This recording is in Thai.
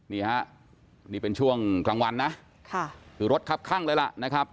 นี่ฮะนี่เป็นช่วงกลางวันนะคือรถคับข้างเลยล่ะนะครับ